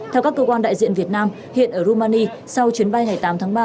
theo các cơ quan đại diện việt nam hiện ở rumani sau chuyến bay ngày tám tháng ba